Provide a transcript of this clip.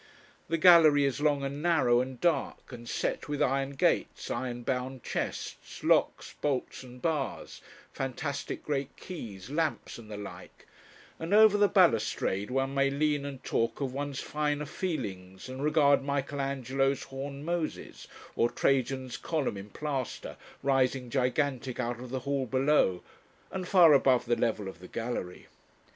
The gallery is long and narrow and dark, and set with iron gates, iron bound chests, locks, bolts and bars, fantastic great keys, lamps, and the like, and over the balustrade one may lean and talk of one's finer feelings and regard Michael Angelo's horned Moses, or Trajan's Column (in plaster) rising gigantic out of the hall below and far above the level of the gallery.